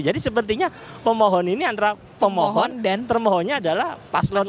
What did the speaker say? jadi sepertinya pemohon ini antara pemohon dan termohonnya adalah paslon dua